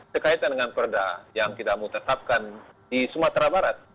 sekaitan dengan perda yang kita mutatapkan di sumatera barat